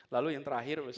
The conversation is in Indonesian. lalu yang terakhir ustaz